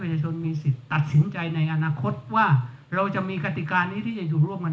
ชนมีสิทธิ์ตัดสินใจในอนาคตว่าเราจะมีกติการนี้ที่จะอยู่ร่วมกัน